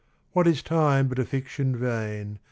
What is Time but a fiction vain.